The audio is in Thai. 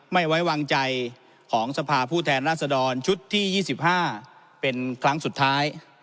ไม่ไว้วางใจของสภาผู้แทนราษฎรชุดที่๒๕เป็นครั้งสุดท้าย